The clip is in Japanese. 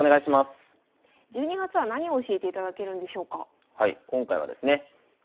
１２月は何を教えていただけるんでしょうか？